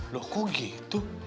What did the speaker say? loh kok gitu